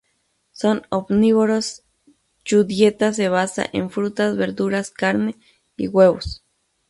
Son omnívoros yu dieta se basa en frutas, verduras, carne y huevos.